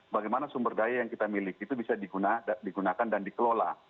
bagaimana sumber daya yang kita miliki itu bisa digunakan dan dikelola